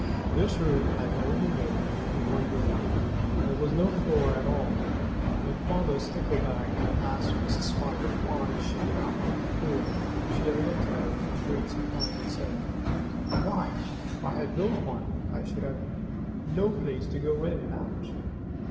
This room had no window and only one door. There was no floor at all. When Father Stickleback had asked Mrs. Spider why she did not make a floor, she had looked at him in great surprise and said, "Why, if I had built one, I should have no place to go in and out."